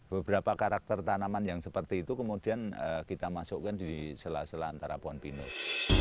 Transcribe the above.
beberapa karakter tanaman yang seperti itu kemudian kita masukkan di sela sela antara pohon pinus